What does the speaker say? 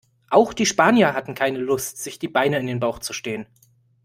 Auch die Spanier hatten keine Lust, sich die Beine in den Bauch zu stehen.